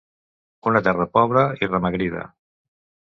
Una terra pobra i remagrida.